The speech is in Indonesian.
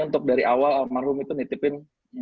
untuk dari awal almarhum itu nitipin